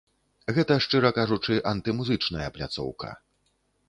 Гэта, шчыра кажучы, антымузычная пляцоўка.